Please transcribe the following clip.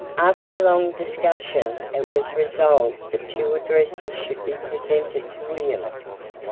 After long discussion it was resolved that two addresses should be presented to William.